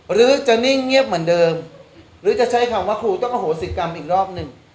หรือจะนิ่งเงียบเหมือนเดิมหรือจะใช้คำว่าครูต้องอโหสิกรรมอีกรอบหนึ่ง